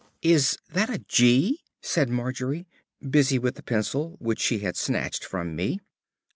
"Is that a 'g'?" said Margery, busy with the pencil, which she had snatched from me.